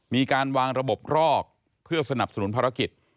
มีการวางระบบรอกเพื่อสนับสนุนภารกิจ